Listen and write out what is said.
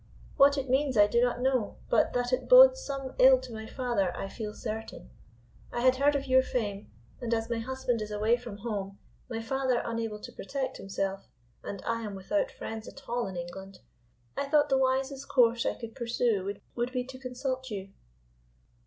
What it means I do not know, but that it bodes some ill to my father I feel certain. I had heard of your fame, and as my husband is away from home, my father unable to protect himself, and I am without friends at all in England, I thought the wisest course I could pursue would be to consult you."